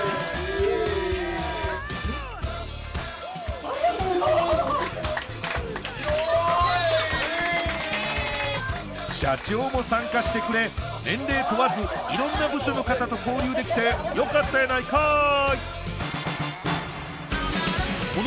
・イエーイ社長も参加してくれ年齢問わず色んな部署の方と交流できてよかったやないかい